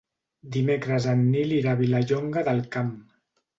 Dimecres en Nil irà a Vilallonga del Camp.